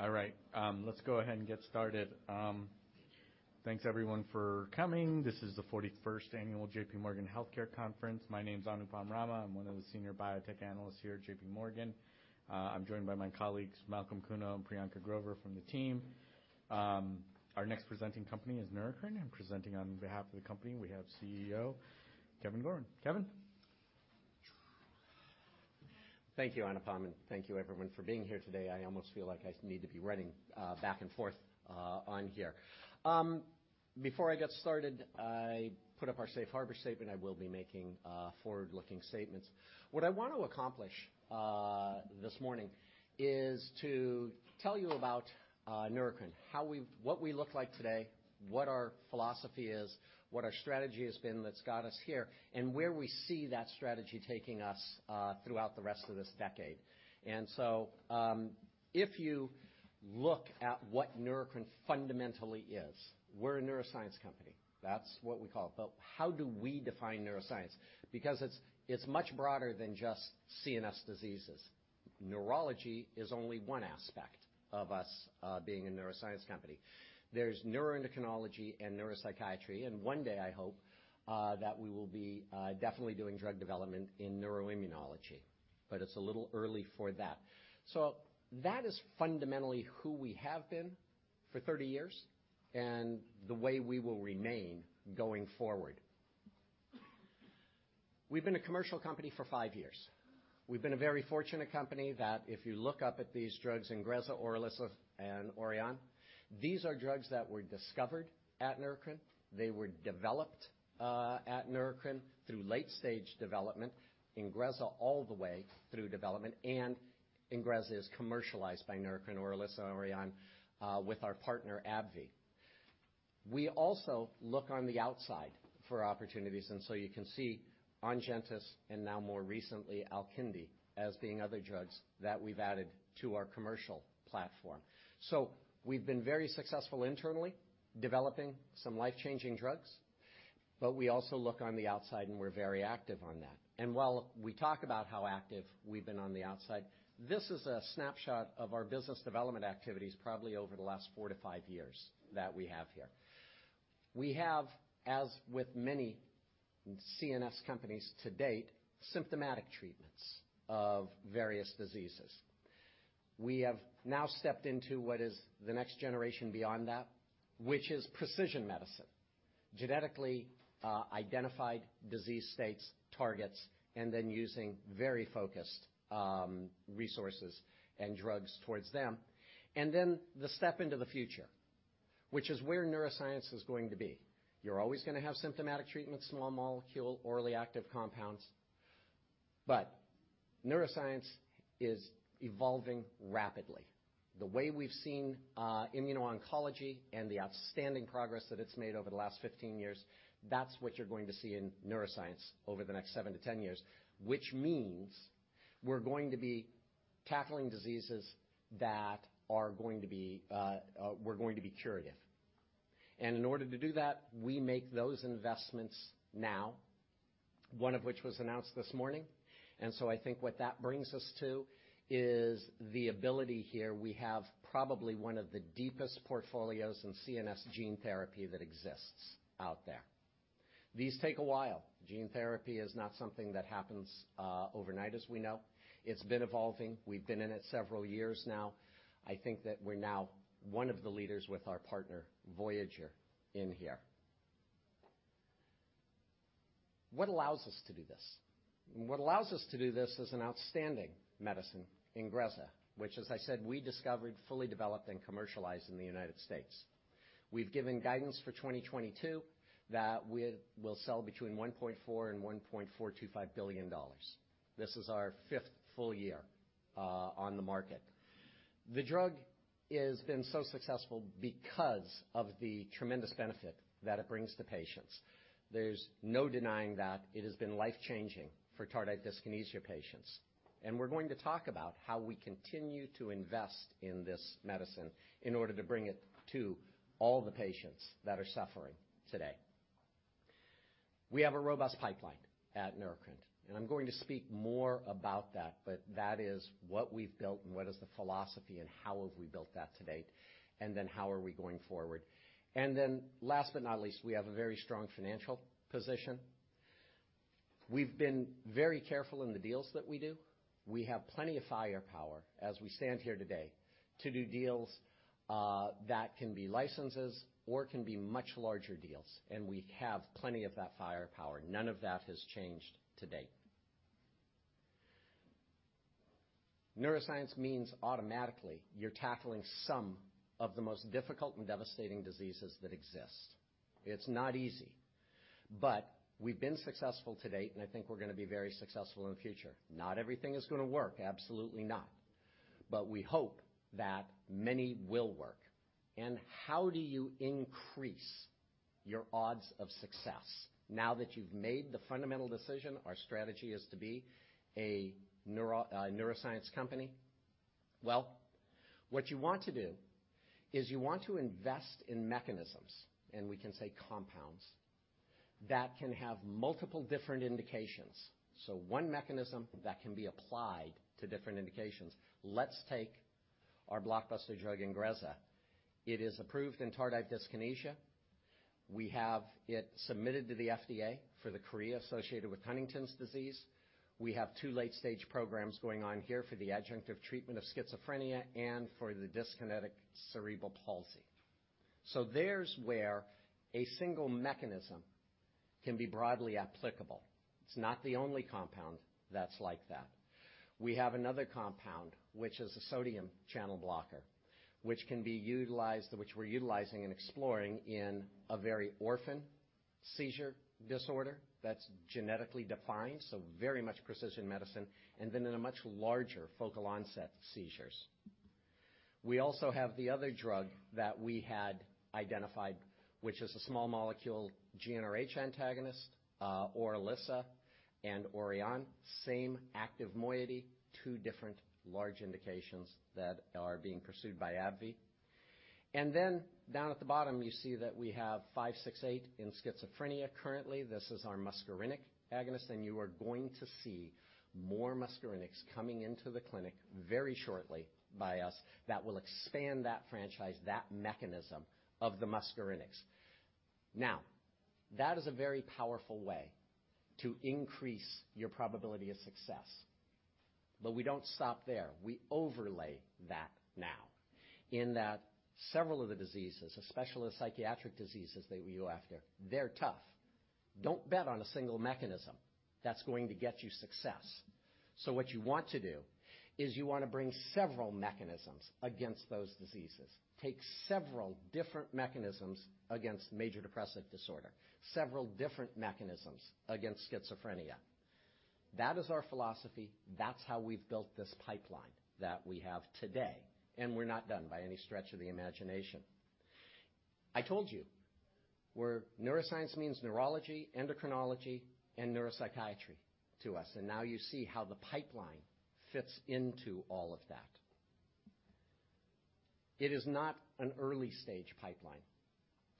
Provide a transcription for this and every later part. All right. Let's go ahead and get started. Thanks everyone for coming. This is the 41st annual JPMorgan Healthcare Conference. My name's Anupam Rama. I'm one of the senior biotech analysts here at J.P. Morgan. I'm joined by my colleagues Malcolm Kuno and Priyanka Grover from the team. Our next presenting company is Neurocrine. Presenting on behalf of the company, we have CEO Kevin Gorman. Kevin. Thank you, Anupam, and thank you everyone for being here today. I almost feel like I need to be running back and forth on here. Before I get started, I put up our safe harbor statement. I will be making forward-looking statements. What I want to accomplish this morning is to tell you about Neurocrine. What we look like today, what our philosophy is, what our strategy has been that's got us here, and where we see that strategy taking us throughout the rest of this decade. If you look at what Neurocrine fundamentally is, we're a neuroscience company. That's what we call it. How do we define neuroscience? Because it's much broader than just CNS diseases. Neurology is only one aspect of us being a neuroscience company. There's neuroendocrinology and neuropsychiatry, and one day I hope that we will be definitely doing drug development in neuroimmunology, but it's a little early for that. That is fundamentally who we have been for 30 years, and the way we will remain going forward. We've been a commercial company for five years. We've been a very fortunate company that if you look up at these drugs, Ingrezza, ORILISSA, and ORIAHNN, these are drugs that were discovered at Neurocrine. They were developed, at Neurocrine through late-stage development. Ingrezza, all the way through development and Ingrezza is commercialized by Neurocrine. ORILISSA and ORIAHNN, with our partner AbbVie. We also look on the outside for opportunities, and so you can see ONGENTYS and now more recently, ALKINDI, as being other drugs that we've added to our commercial platform. We've been very successful internally developing some life-changing drugs, but we also look on the outside, and we're very active on that. While we talk about how active we've been on the outside, this is a snapshot of our Business Development activities probably over the last four to five years that we have here. We have, as with many CNS companies to date, symptomatic treatments of various diseases. We have now stepped into what is the next generation beyond that, which is precision medicine. Genetically identified disease states, targets, and then using very focused resources and drugs towards them. The step into the future, which is where neuroscience is going to be. You're always gonna have symptomatic treatments, small molecule, orally active compounds, but neuroscience is evolving rapidly. The way we've seen, immuno-oncology and the outstanding progress that it's made over the last 15 years, that's what you're going to see in neuroscience over the next 7-10 years, which means we're going to be tackling diseases that are going to be curative. In order to do that, we make those investments now, one of which was announced this morning. I think what that brings us to is the ability here. We have probably one of the deepest portfolios in CNS gene therapy that exists out there. These take a while. Gene therapy is not something that happens overnight as we know. It's been evolving. We've been in it several years now. I think that we're now one of the leaders with our partner, Voyager, in here. What allows us to do this? What allows us to do this is an outstanding medicine, Ingrezza, which as I said, we discovered, fully developed, and commercialized in the United States. We've given guidance for 2022 that we'll sell between $1.4 billion and $1.425 billion. This is our fifth full year on the market. The drug has been so successful because of the tremendous benefit that it brings to patients. There's no denying that it has been life-changing for tardive dyskinesia patients. We're going to talk about how we continue to invest in this medicine in order to bring it to all the patients that are suffering today. We have a robust pipeline at Neurocrine, and I'm going to speak more about that, but that is what we've built and what is the philosophy and how have we built that to date, and then how are we going forward. Last but not least, we have a very strong financial position. We've been very careful in the deals that we do. We have plenty of firepower as we stand here today to do deals that can be licenses or can be much larger deals, and we have plenty of that firepower. None of that has changed to date. Neuroscience means automatically you're tackling some of the most difficult and devastating diseases that exist. It's not easy, but we've been successful to date, and I think we're gonna be very successful in the future. Not everything is gonna work. Absolutely not. We hope that many will work. How do you increase your odds of success now that you've made the fundamental decision, our strategy is to be a neuroscience company? Well, what you want to do is you want to invest in mechanisms, and we can say compounds that can have multiple different indications. One mechanism that can be applied to different indications. Let's take our blockbuster drug, Ingrezza. It is approved in tardive dyskinesia. We have it submitted to the FDA for the chorea associated with Huntington's disease. We have two late stage programs going on here for the adjunctive treatment of schizophrenia and for the dyskinetic cerebral palsy. There's where a single mechanism can be broadly applicable. It's not the only compound that's like that. We have another compound, which is a sodium channel blocker, which we're utilizing and exploring in a very orphan seizure disorder that's genetically defined, so very much precision medicine, and then in a much larger focal onset seizures. We also have the other drug that we had identified, which is a small molecule, GnRH antagonist, ORILISSA and ORIAHNN, same active moiety, two different large indications that are being pursued by AbbVie. Down at the bottom, you see that we have NBI-1117568 in schizophrenia currently. This is our muscarinic agonist, and you are going to see more muscarinics coming into the clinic very shortly by us that will expand that franchise, that mechanism of the muscarinics. Now, that is a very powerful way to increase your probability of success. We don't stop there. We overlay that now in that several of the diseases, especially the psychiatric diseases that we go after, they're tough. Don't bet on a single mechanism that's going to get you success. What you want to do is you want to bring several mechanisms against those diseases, take several different mechanisms against major depressive disorder, several different mechanisms against schizophrenia. That is our philosophy. That's how we've built this pipeline that we have today, and we're not done by any stretch of the imagination. I told you, where neuroscience means neurology, endocrinology, and neuropsychiatry to us, and now you see how the pipeline fits into all of that. It is not an early-stage pipeline.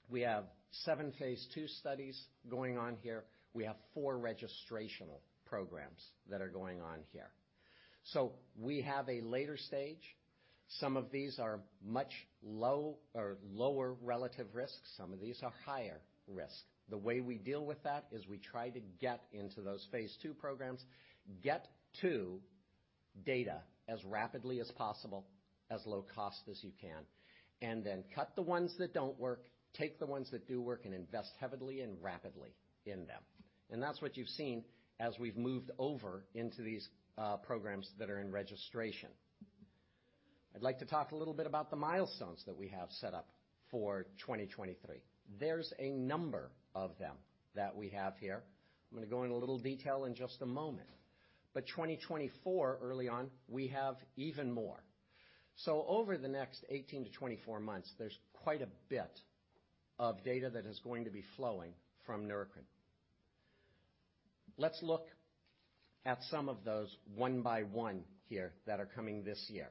We have seven phase II studies going on here. We have four registrational programs that are going on here. We have a later stage. Some of these are much lower relative risk. Some of these are higher risk. The way we deal with that is we try to get into those phase II programs, get to data as rapidly as possible, as low cost as you can, and then cut the ones that don't work, take the ones that do work, and invest heavily and rapidly in them. That's what you've seen as we've moved over into these programs that are in registration. I'd like to talk a little bit about the milestones that we have set up for 2023. There's a number of them that we have here. I'm gonna go in a little detail in just a moment. 2024, early on, we have even more. Over the next 18 to 24 months, there's quite a bit of data that is going to be flowing from Neurocrine. Let's look at some of those one by one here that are coming this year.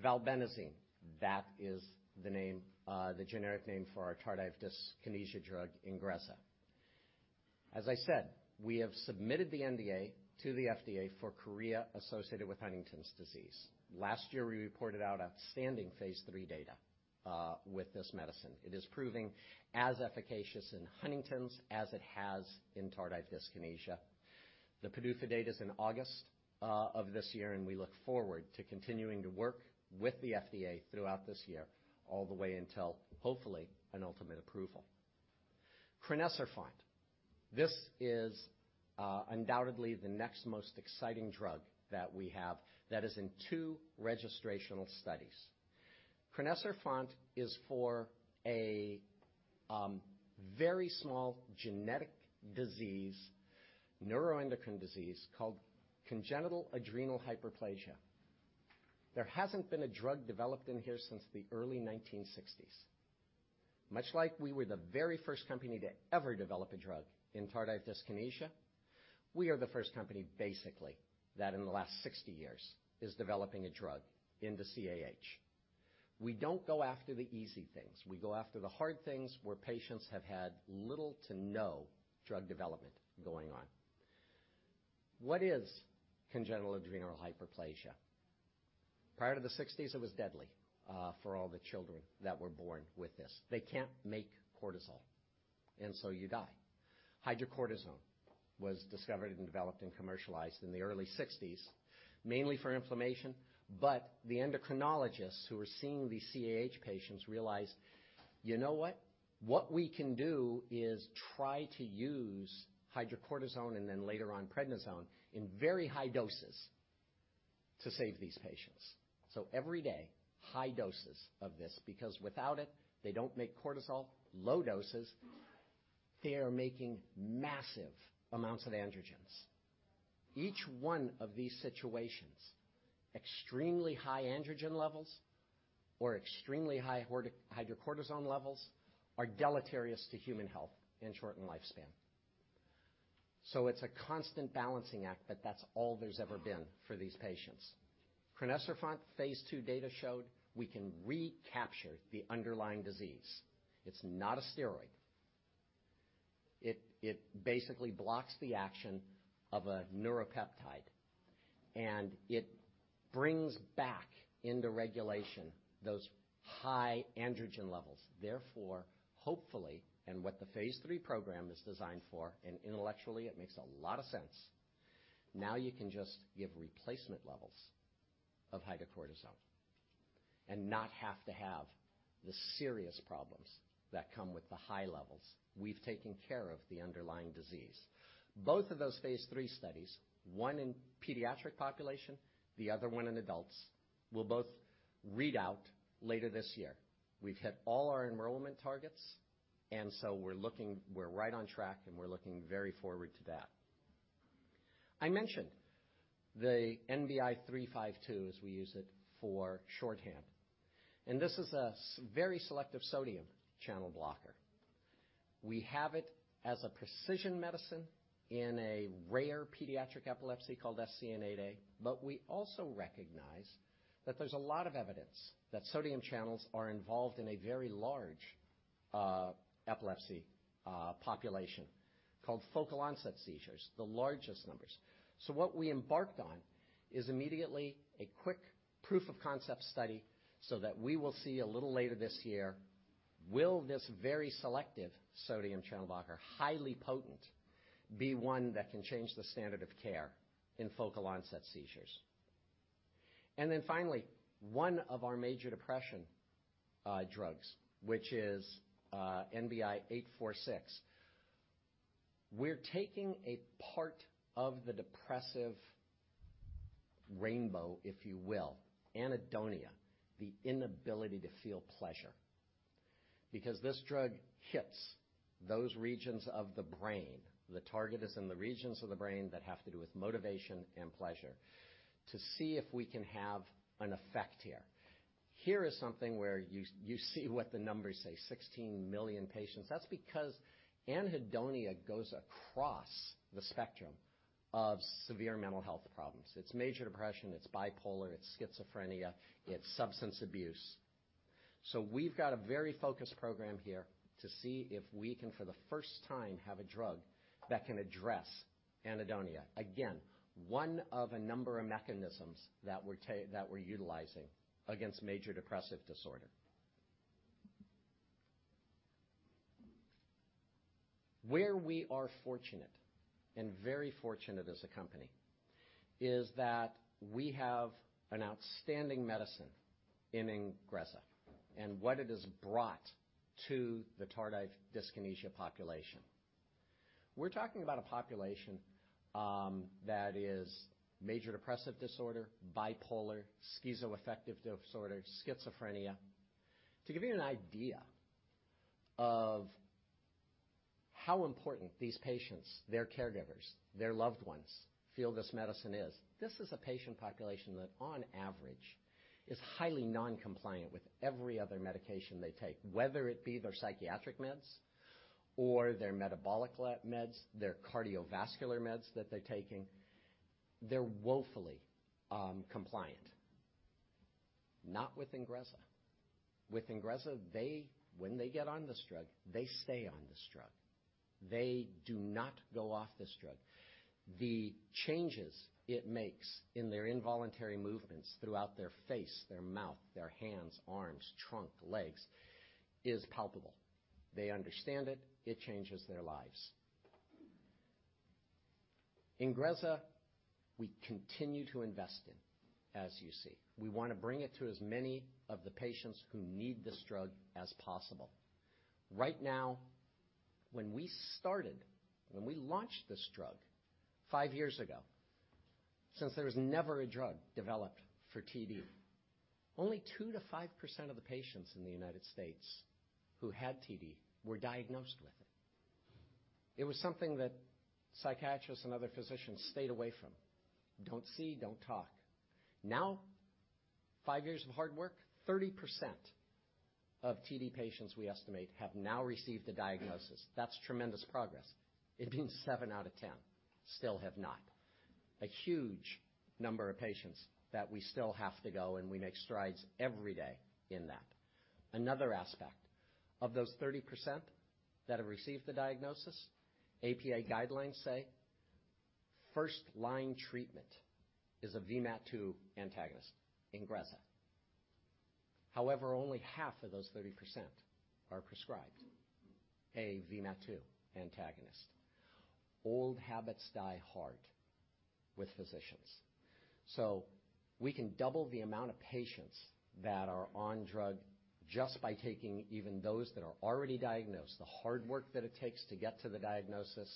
Valbenazine, that is the name, the generic name for our tardive dyskinesia drug, Ingrezza. As I said, we have submitted the NDA to the FDA for chorea associated with Huntington's disease. Last year, we reported out outstanding phase three data, with this medicine. It is proving as efficacious in Huntington's as it has in tardive dyskinesia. The PDUFA date is in August of this year. We look forward to continuing to work with the FDA throughout this year, all the way until, hopefully, an ultimate approval. Crinecerfont. This is undoubtedly the next most exciting drug that we have that is in two registrational studies. Crinecerfont is for a very small genetic disease, neuroendocrine disease called congenital adrenal hyperplasia. There hasn't been a drug developed in here since the early 1960s. Much like we were the very first company to ever develop a drug in tardive dyskinesia, we are the first company, basically, that in the last 60 years is developing a drug in the CAH. We don't go after the easy things. We go after the hard things where patients have had little to no drug development going on. What is congenital adrenal hyperplasia? Prior to the 1960s, it was deadly for all the children that were born with this. They can't make cortisol, and so you die. Hydrocortisone was discovered and developed and commercialized in the early 1960s, mainly for inflammation. The endocrinologists who were seeing these CAH patients realized, "You know what? What we can do is try to use hydrocortisone, and then later on prednisone in very high doses to save these patients." Every day, high doses of this, because without it, they don't make cortisol. Low doses, they are making massive amounts of androgens. Each one of these situations, extremely high androgen levels or extremely high hydrocortisone levels are deleterious to human health and shorten lifespan. So it's a constant balancing act, that's all there's ever been for these patients. Crinecerfont phase II data showed we can recapture the underlying disease. It's not a steroid. It basically blocks the action of a neuropeptide, and it brings back into regulation those high androgen levels. Hopefully, and what the phase III program is designed for, and intellectually it makes a lot of sense. Now you can just give replacement levels of hydrocortisone and not have to have the serious problems that come with the high levels. We've taken care of the underlying disease. Both of those phase III studies, one in pediatric population, the other one in adults, will both read out later this year. We've hit all our enrollment targets. We're right on track, and we're looking very forward to that. I mentioned the NBI 352 as we use it for shorthand. This is a very selective sodium channel blocker. We have it as a precision medicine in a rare pediatric epilepsy called SCN8A. We also recognize that there's a lot of evidence that sodium channels are involved in a very large epilepsy population called focal onset seizures, the largest numbers. What we embarked on is immediately a quick proof of concept study so that we will see a little later this year, will this very selective sodium channel blocker, highly potent, be one that can change the standard of care in focal onset seizures? Finally, one of our major depression drugs, which is NBI-1065846. We're taking a part of the depressive rainbow, if you will, anhedonia, the inability to feel pleasure because this drug hits those regions of the brain. The target is in the regions of the brain that have to do with motivation and pleasure to see if we can have an effect here. Here is something where you see what the numbers say, 16 million patients. That's because anhedonia goes across the spectrum of severe mental health problems. It's major depression, it's bipolar, it's schizophrenia, it's substance abuse. We've got a very focused program here to see if we can, for the first time, have a drug that can address anhedonia. Again, one of a number of mechanisms that we're utilizing against major depressive disorder. Where we are fortunate, and very fortunate as a company, is that we have an outstanding medicine in Ingrezza and what it has brought to the tardive dyskinesia population. We're talking about a population that is major depressive disorder, bipolar, schizoaffective disorder, schizophrenia. To give you an idea of how important these patients, their caregivers, their loved ones feel this medicine is, this is a patient population that on average is highly non-compliant with every other medication they take, whether it be their psychiatric meds or their metabolic meds, their cardiovascular meds that they're taking. They're woefully compliant. Not with Ingrezza. With Ingrezza, when they get on this drug, they stay on this drug. They do not go off this drug. The changes it makes in their involuntary movements throughout their face, their mouth, their hands, arms, trunk, legs is palpable. They understand it. It changes their lives. Ingrezza, we continue to invest in, as you see. We wanna bring it to as many of the patients who need this drug as possible. Right now, when we started, when we launched this drug five years ago, since there was never a drug developed for TD, only 2%-5% of the patients in the U.S. who had TD were diagnosed with it. It was something that psychiatrists and other physicians stayed away from. Don't see, don't talk. Five years of hard work, 30% of TD patients we estimate have now received a diagnosis. That's tremendous progress. It means seven out of 10 still have not. A huge number of patients that we still have to go. We make strides every day in that. Another aspect, of those 30% that have received the diagnosis, APA guidelines say first-line treatment is a VMAT2 antagonist, Ingrezza. However, only half of those 30% are prescribed a VMAT2 antagonist. Old habits die hard with physicians. We can double the amount of patients that are on drug just by taking even those that are already diagnosed, the hard work that it takes to get to the diagnosis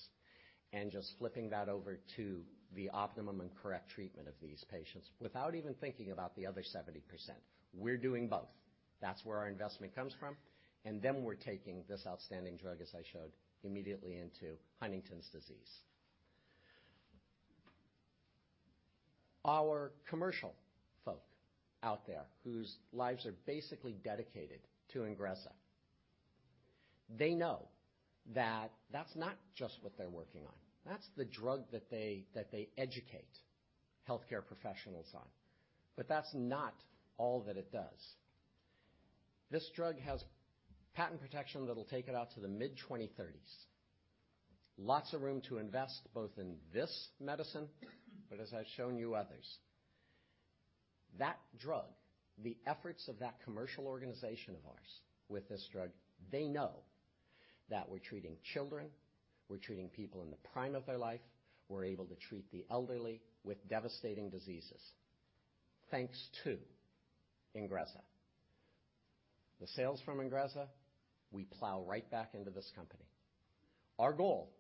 and just flipping that over to the optimum and correct treatment of these patients without even thinking about the other 70%. We're doing both. That's where our investment comes from. We're taking this outstanding drug, as I showed, immediately into Huntington's disease. Our commercial folk out there whose lives are basically dedicated to Ingrezza, they know that that's not just what they're working on. That's the drug that they, that they educate healthcare professionals on. That's not all that it does. This drug has patent protection that'll take it out to the mid-2030s. Lots of room to invest, both in this medicine, but as I've shown you others. That drug, the efforts of that commercial organization of ours with this drug, they know that we're treating children, we're treating people in the prime of their life. We're able to treat the elderly with devastating diseases, thanks to Ingrezza. The sales from Ingrezza, we plow right back into this company. Our goal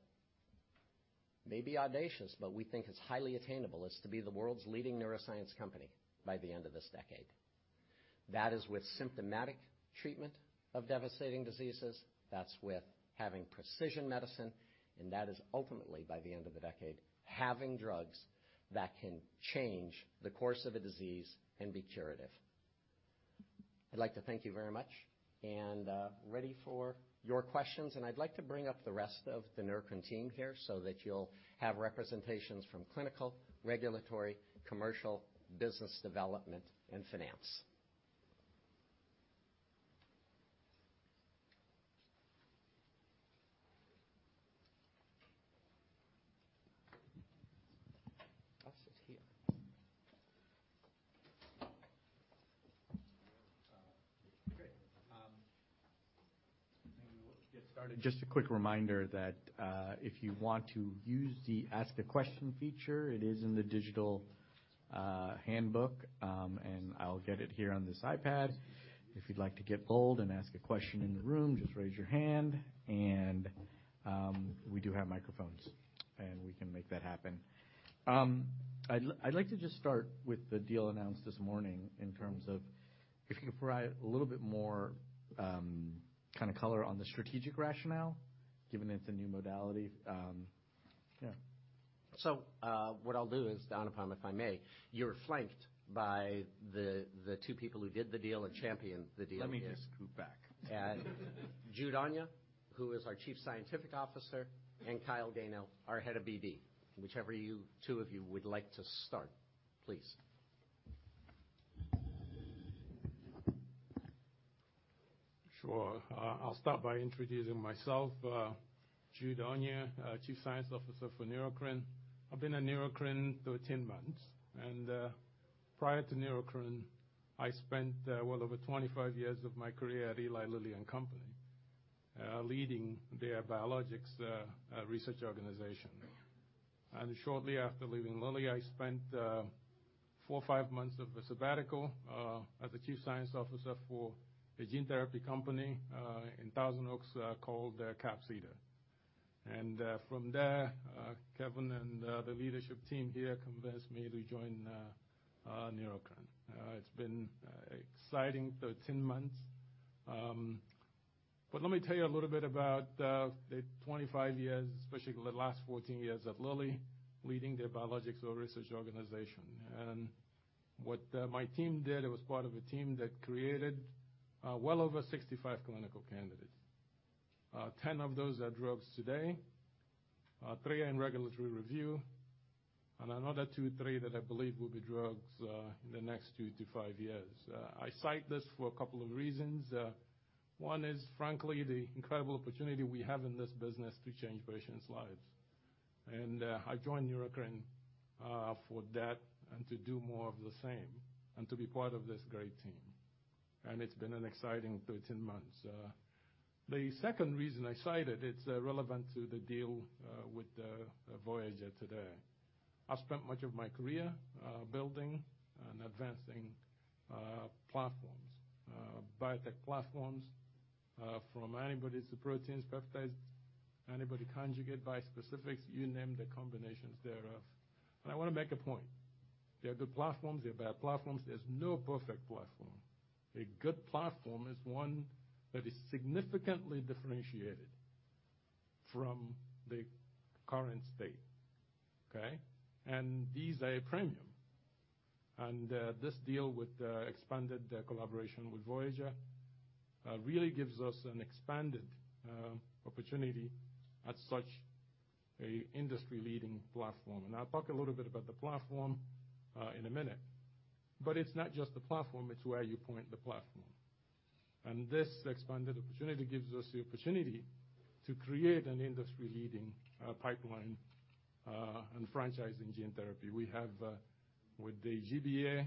may be audacious, but we think it's highly attainable, is to be the world's leading neuroscience company by the end of this decade. That is with symptomatic treatment of devastating diseases. That's with having precision medicine, and that is ultimately by the end of the decade, having drugs that can change the course of a disease and be curative. I'd like to thank you very much and ready for your questions. I'd like to bring up the rest of the Neurocrine team here so that you'll have representations from clinical, regulatory, commercial, Business Development, and finance. I'll sit here. Great. We'll get started. Just a quick reminder that if you want to use the ask-a-question feature, it is in the digital handbook. I'll get it here on this iPad. If you'd like to get bold and ask a question in the room, just raise your hand, and we do have microphones, and we can make that happen. I'd like to just start with the deal announced this morning in terms of if you could provide a little bit more kind of color on the strategic rationale, given it's a new modality. Yeah. What I'll do is, Anupam, if I may, you're flanked by the two people who did the deal and championed the deal. Let me just scoot back. Jude Onyia, who is our Chief Scientific Officer, and Kyle Gano, our head of BB. Whichever you two of you would like to start, please. Sure. I'll start by introducing myself. Jude Onyia, Chief Science Officer for Neurocrine. I've been at Neurocrine 13 months. Prior to Neurocrine, I spent well over 25 years of my career at Eli Lilly and Company, leading their biologics research organization. Shortly after leaving Lilly, I spent four or five months of a sabbatical as a chief science officer for a gene therapy company in Thousand Oaks, called Capsida. From there, Kevin and the leadership team here convinced me to join Neurocrine. It's been exciting 13 months. Let me tell you a little bit about the 25 years, especially the last 14 years at Lilly, leading their biologics research organization. What my team did, it was part of a team that created well over 65 clinical candidates. Ten of those are drugs today, three are in regulatory review, and another two, three that I believe will be drugs in the next two to three years. I cite this for a couple of reasons. One is frankly, the incredible opportunity we have in this business to change patients' lives. I joined Neurocrine for that and to do more of the same and to be part of this great team. It's been an exciting 13 months. The second reason I cited, it's relevant to the deal with Voyager today. I've spent much of my career building and advancing platforms, biotech platforms, from antibodies to proteins, peptides, antibody conjugate bispecifics, you name the combinations thereof. I wanna make a point. There are good platforms, there are bad platforms. There's no perfect platform. A good platform is one that is significantly differentiated from the current state. Okay? These are a premium. This deal with the expanded collaboration with Voyager really gives us an expanded opportunity at such a industry-leading platform. I'll talk a little bit about the platform in a minute. It's not just the platform, it's where you point the platform. This expanded opportunity gives us the opportunity to create an industry-leading pipeline and franchise in gene therapy. We have with the GBA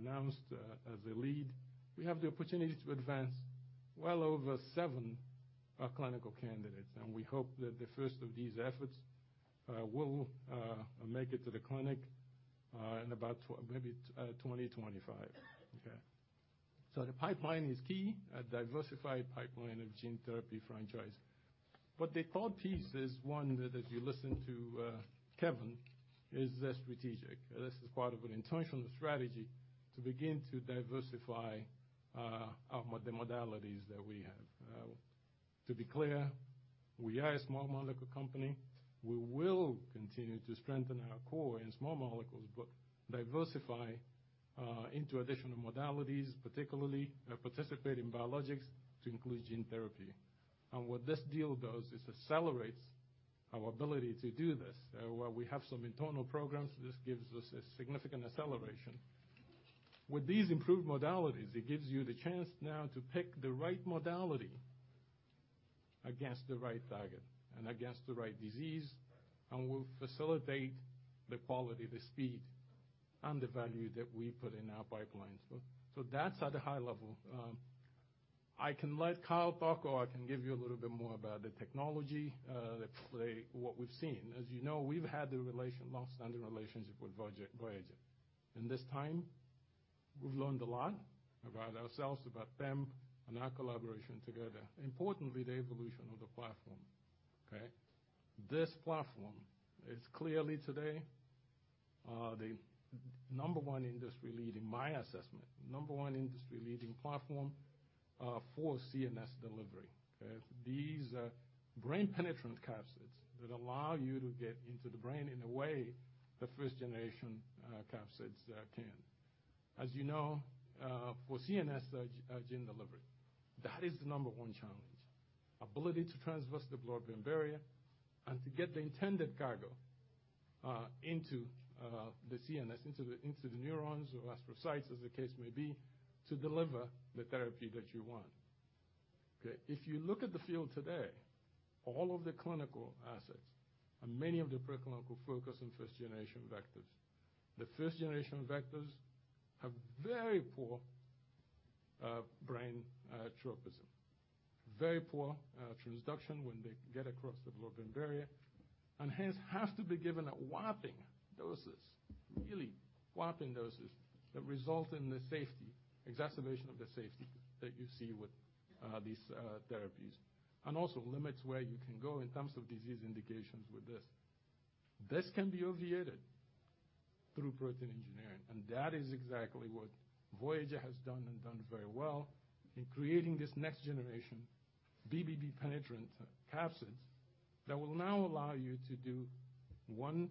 announced as a lead, we have the opportunity to advance well over seven clinical candidates. We hope that the first of these efforts will make it to the clinic in about maybe 2025. Okay. The pipeline is key, a diversified pipeline of gene therapy franchise. The core piece is one that as you listen to Kevin, is strategic. This is part of an intentional strategy to begin to diversify the modalities that we have. To be clear, we are a small molecule company. We will continue to strengthen our core in small molecules, but diversify into additional modalities, particularly participate in biologics to include gene therapy. What this deal does is accelerates our ability to do this. While we have some internal programs, this gives us a significant acceleration. With these improved modalities, it gives you the chance now to pick the right modality against the right target and against the right disease and will facilitate the quality, the speed, and the value that we put in our pipelines. That's at a high level. I can let Kyle talk, or I can give you a little bit more about the technology that play what we've seen. As you know, we've had the long-standing relationship with Voyager. In this time, we've learned a lot about ourselves, about them, and our collaboration together, importantly, the evolution of the platform. Okay? This platform is clearly today, the number one industry-leading, my assessment, number one industry-leading platform for CNS delivery. Okay? These are brain penetrant capsids that allow you to get into the brain in a way the first-generation, capsids, can. As you know, for CNS, gene delivery, that is the number one challenge. Ability to transverse the blood-brain barrier and to get the intended cargo, into, the CNS, into the neurons or astrocytes, as the case may be, to deliver the therapy that you want. Okay? If you look at the field today, all of the clinical assets and many of the preclinical focus on first-generation vectors. The first-generation vectors have very poor brain tropism, very poor transduction when they get across the blood-brain barrier, and hence have to be given whopping doses, really whopping doses that result in the safety, exacerbation of the safety that you see with these therapies, and also limits where you can go in terms of disease indications with this. This can be obviated through protein engineering, and that is exactly what Voyager has done and done very well in creating this next generation BBB-penetrant capsids that will now allow you to do, one,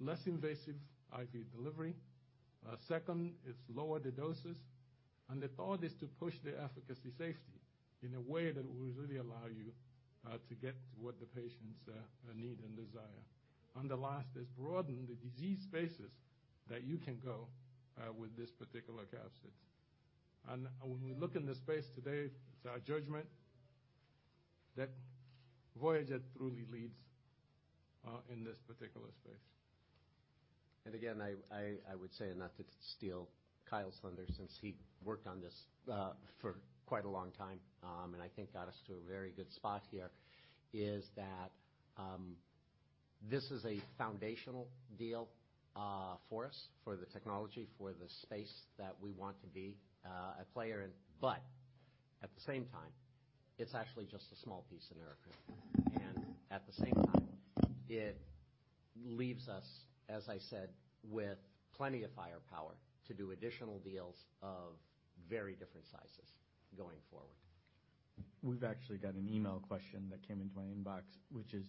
less invasive IV delivery. Second, it's lower the doses. The third is to push the efficacy safety in a way that will really allow you to get what the patients need and desire. The last is broaden the disease spaces that you can go with this particular capsid. When we look in the space today, it's our judgment that Voyager truly leads in this particular space. Again, I would say, and not to steal Kyle's thunder, since he worked on this for quite a long time, and I think got us to a very good spot here, is that, this is a foundational deal for us, for the technology, for the space that we want to be a player in. At the same time, it's actually just a small piece in our portfolio. At the same time, it leaves us, as I said, with plenty of firepower to do additional deals of very different sizes going forward. We've actually got an email question that came into my inbox, which is: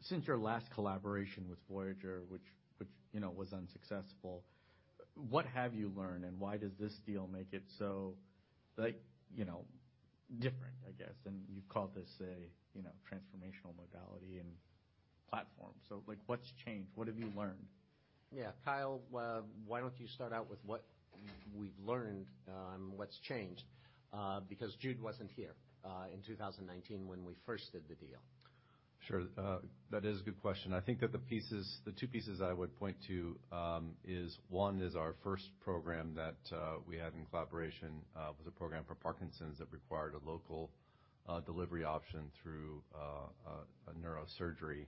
Since your last collaboration with Voyager, which, you know, was unsuccessful, what have you learned, and why does this deal make it so, like, you know, different, I guess? You've called this a, you know, transformational modality and platform. Like, what's changed? What have you learned? Yeah. Kyle, why don't you start out with what we've learned, what's changed? Jude wasn't here in 2019 when we first did the deal. Sure. That is a good question. I think that the two pieces that I would point to, is one is our first program that we had in collaboration with a program for Parkinson's that required a local delivery option through a neurosurgery.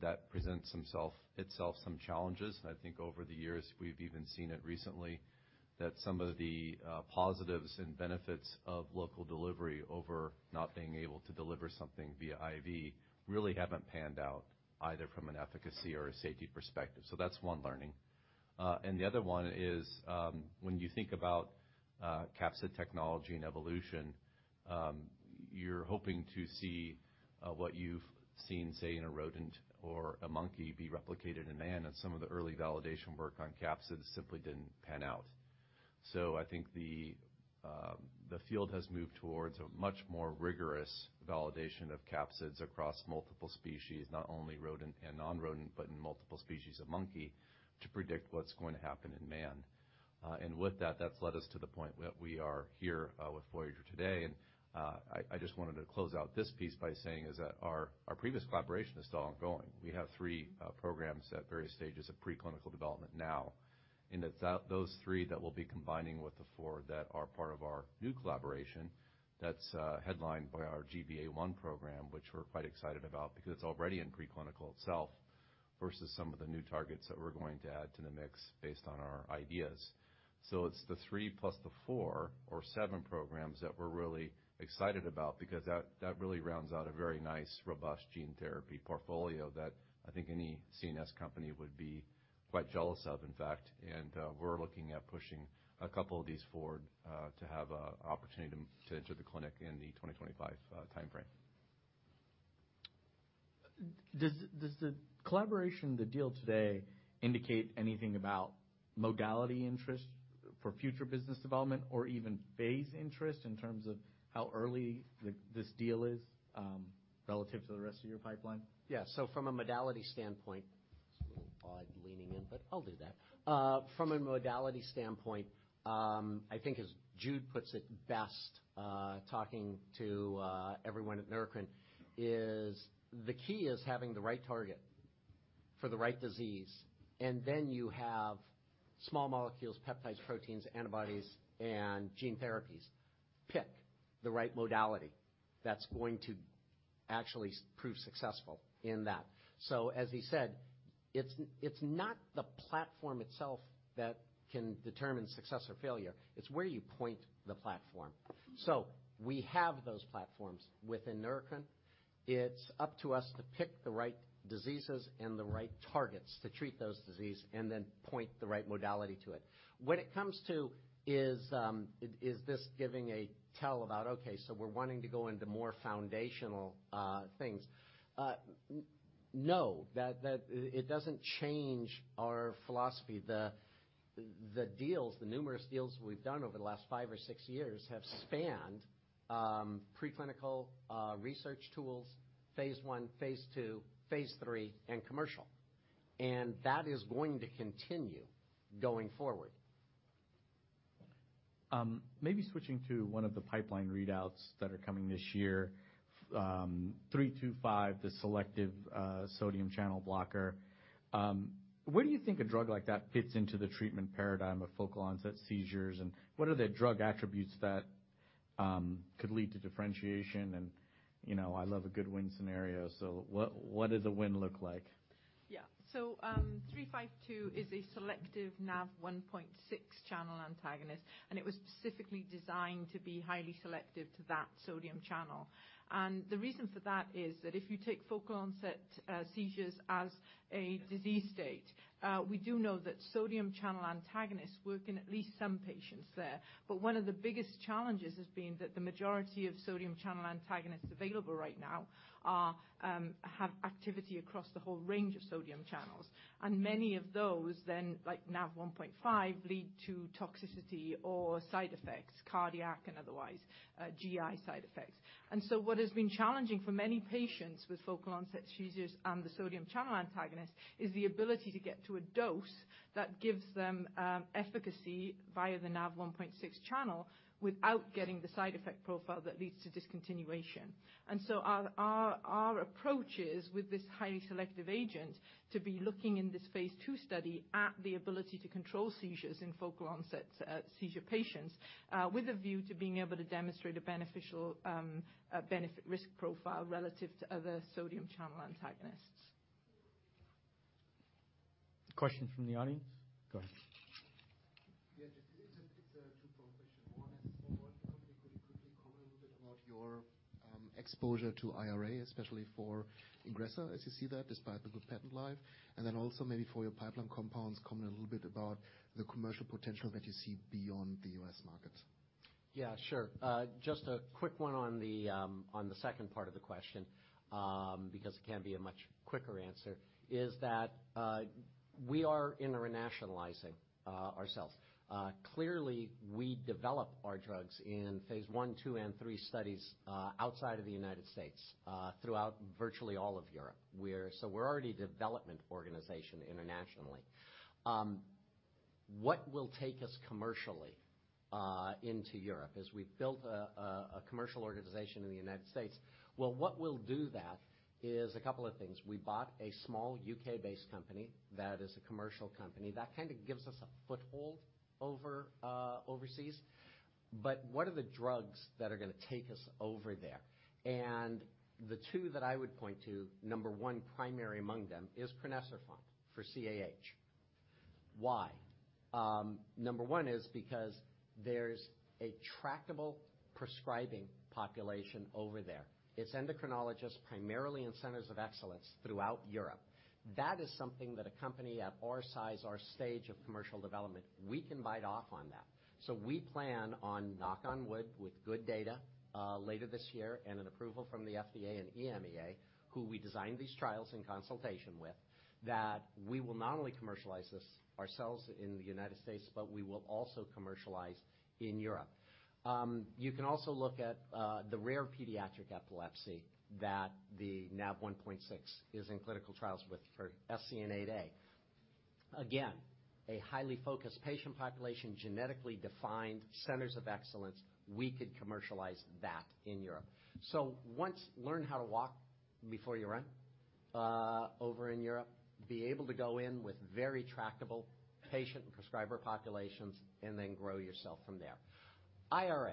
That presents itself some challenges. I think over the years, we've even seen it recently, that some of the positives and benefits of local delivery over not being able to deliver something via IV really haven't panned out either from an efficacy or a safety perspective. That's one learning. The other one is, when you think about capsid technology and evolution, you're hoping to see what you've seen, say, in a rodent or a monkey be replicated in man. Some of the early validation work on capsids simply didn't pan out. I think the field has moved towards a much more rigorous validation of capsids across multiple species, not only rodent and non-rodent, but in multiple species of monkey, to predict what's going to happen in man. With that's led us to the point where we are here with Voyager today. I just wanted to close out this piece by saying is that our previous collaboration is still ongoing. We have three programs at various stages of preclinical development now, and that those three that we'll be combining with the four that are part of our new collaboration, that's headlined by our GBA1 program, which we're quite excited about because it's already in preclinical itself, versus some of the new targets that we're going to add to the mix based on our ideas. It's the three plus the four or seven programs that we're really excited about because that really rounds out a very nice, robust gene therapy portfolio that I think any CNS company would be quite jealous of, in fact. We're looking at pushing a couple of these forward to have an opportunity to enter the clinic in the 2025 timeframe. Does the collaboration, the deal today indicate anything about modality interest for future business development or even phase interest in terms of how early this deal is relative to the rest of your pipeline? Yeah. From a modality standpoint. It's a little odd leaning in, but I'll do that. From a modality standpoint, I think as Jude puts it best, talking to everyone at Neurocrine is the key is having the right target for the right disease, and then you have small molecules, peptides, proteins, antibodies, and gene therapies. Pick the right modality that's going to actually prove successful in that. As he said, it's not the platform itself that can determine success or failure. It's where you point the platform. We have those platforms within Neurocrine. It's up to us to pick the right diseases and the right targets to treat those disease and then point the right modality to it. When it comes to is this giving a tell about, okay, so we're wanting to go into more foundational things? No. That it doesn't change our philosophy. The deals, the numerous deals we've done over the last five or six years have spanned, preclinical, research tools, phase I, phase II, phase III, and commercial. That is going to continue going forward. Maybe switching to one of the pipeline readouts that are coming this year, 352, the selective sodium channel blocker. Where do you think a drug like that fits into the treatment paradigm of focal onset seizures and what are the drug attributes that could lead to differentiation? You know, I love a good win scenario. What does a win look like? Yeah. 352 is a selective Nav1.6 channel antagonist, it was specifically designed to be highly selective to that sodium channel. The reason for that is that if you take focal onset seizures as a disease state, we do know that sodium channel antagonists work in at least some patients there. One of the biggest challenges has been that the majority of sodium channel antagonists available right now are have activity across the whole range of sodium channels, and many of those then, like Nav1.5, lead to toxicity or side effects, cardiac and otherwise, GI side effects. What has been challenging for many patients with focal onset seizures and the sodium channel antagonist is the ability to get to a dose that gives them efficacy via the Nav1.6 channel without getting the side effect profile that leads to discontinuation. Our approach is, with this highly selective agent, to be looking in this phase two study at the ability to control seizures in focal onset seizure patients, with a view to being able to demonstrate a beneficial benefit risk profile relative to other sodium channel antagonists. Questions from the audience? Go ahead. Yeah. Just it's a two-part question. One is could you quickly comment a little bit about your exposure to IRA, especially for Ingrezza, as you see that despite the good patent life? Also maybe for your pipeline compounds, comment a little bit about the commercial potential that you see beyond the U.S. market. Yeah, sure. Just a quick one on the second part of the question, because it can be a much quicker answer, is that we are internationalizing ourselves. Clearly, we develop our drugs in phase I, II, and III studies outside of the United States throughout virtually all of Europe. We're already a development organization internationally. What will take us commercially into Europe is we've built a commercial organization in the United States. Well, what will do that is a couple of things. We bought a small U.K.-based company that is a commercial company. That kind of gives us a foothold overseas. What are the drugs that are gonna take us over there? The two that I would point to, number one primary among them is crinecerfont for CAH. Why? Number one is because there's a tractable prescribing population over there. It's endocrinologists primarily in centers of excellence throughout Europe. That is something that a company of our size, our stage of commercial development, we can bite off on that. We plan on, knock on wood, with good data later this year and an approval from the FDA and EMA, who we designed these trials in consultation with, that we will not only commercialize this ourselves in the United States, but we will also commercialize in Europe. You can also look at the rare pediatric epilepsy that the Nav1.6 is in clinical trials with for SCN8A. Again, a highly focused patient population, genetically defined centers of excellence, we could commercialize that in Europe. Learn how to walk before you run over in Europe. Be able to go in with very tractable patient and prescriber populations and then grow yourself from there. IRA,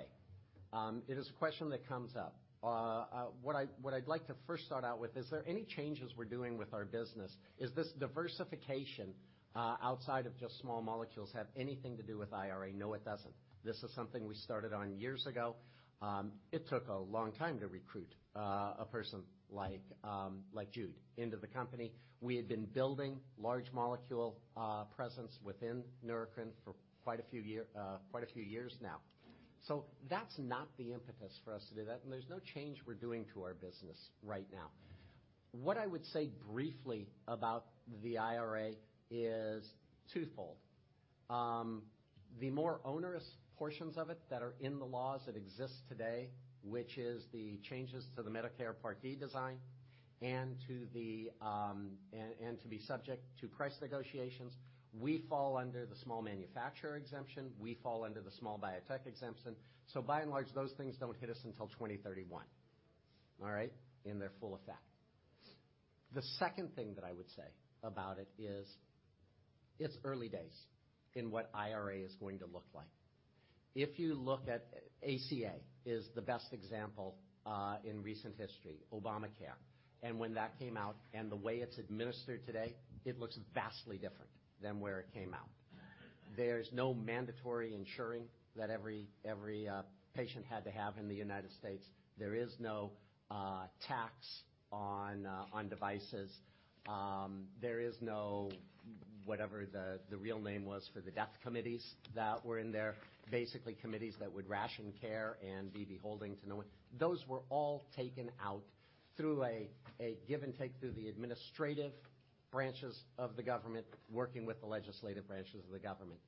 it is a question that comes up. What I'd like to first start out with, is there any changes we're doing with our business? Is this diversification outside of just small molecules have anything to do with IRA? No, it doesn't. This is something we started on years ago. It took a long time to recruit a person like Jude into the company. We had been building large molecule presence within Neurocrine for quite a few years now. That's not the impetus for us to do that, and there's no change we're doing to our business right now. What I would say briefly about the IRA is twofold. The more onerous portions of it that are in the laws that exist today, which is the changes to the Medicare Part D design and to be subject to price negotiations. We fall under the small manufacturer exemption. We fall under the Small Biotech exemption. By and large, those things don't hit us until 2031. All right? In their full effect. The second thing that I would say about it is, it's early days in what IRA is going to look like. ACA is the best example in recent history, Obamacare. When that came out, and the way it's administered today, it looks vastly different than where it came out. There's no mandatory insuring that every patient had to have in the United States. There is no tax on devices. There is no, whatever the real name was for the death committees that were in there. Basically, committees that would ration care and be beholding to no one. Those were all taken out through a give-and-take through the administrative branches of the government, working with the legislative branches of the government.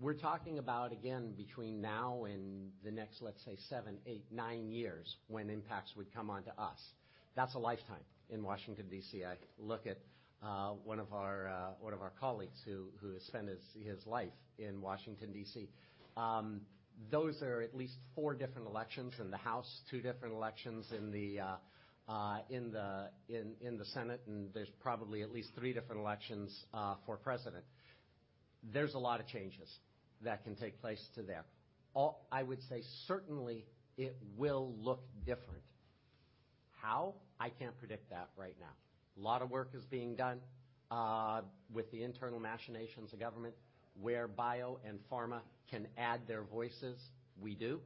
We're talking about, again, between now and the next, let's say, seven eight, nine years when impacts would come onto us. That's a lifetime in Washington, D.C. I look at one of our, one of our colleagues who has spent his life in Washington, D.C. Those are at least four different elections in the House, two different elections in the, in the, in the Senate, and there's probably at least three different elections for President. There's a lot of changes that can take place to there. I would say certainly it will look different. How? I can't predict that right now. A lot of work is being done with the internal machinations of government. Where bio and pharma can add their voices, we do,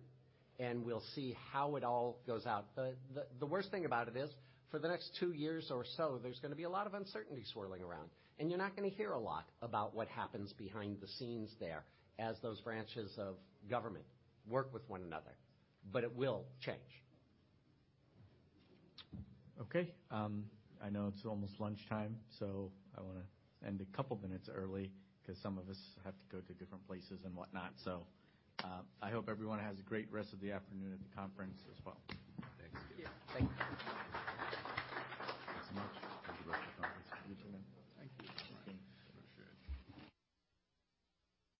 and we'll see how it all goes out. The worst thing about it is, for the next two years or so, there's gonna be a lot of uncertainty swirling around, and you're not gonna hear a lot about what happens behind the scenes there as those branches of government work with one another. It will change. Okay. I know it's almost lunchtime, so I wanna end a couple minutes early 'cause some of us have to go to different places and whatnot. I hope everyone has a great rest of the afternoon at the conference as well. Thanks. Yeah. Thank you. Thanks so much. Enjoy the rest of the conference. You too, man. Thank you. All right. Appreciate it.